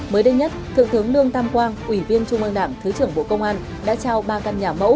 mới đây nhất thượng tướng lương tam quang ủy viên trung ương đảng thứ trưởng bộ công an đã trao ba căn nhà mẫu